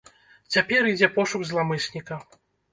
Цяпер ідзе пошук зламысніка.